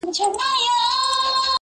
کله لس کله مو سل په یوه آن مري؛